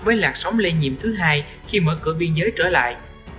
với lạc sóng lây nhiễm thứ hai khi mở cửa biên giới trở lại